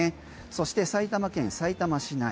そして埼玉県さいたま市内。